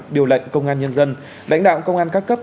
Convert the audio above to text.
điều lệnh công an nhân dân lãnh đạo công an các cấp